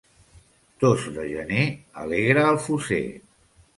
Tos de gener alegra el fosser.